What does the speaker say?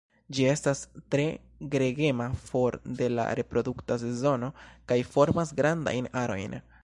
Ĝi estas tre gregema for de la reprodukta sezono kaj formas grandajn arojn.